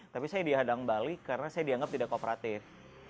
tapi saya dihadang balik karena saya dianggap tidak kooperatif